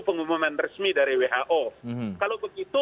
pengumuman resmi dari who kalau begitu